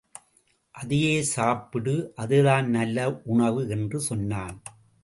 அதையே சாப்பிடு அதுதான் நல்ல உணவு என்று சொன்னான்.